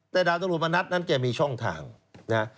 แต่ดาบตำรวจมณัฐนั้นแกมีช่องทางนะ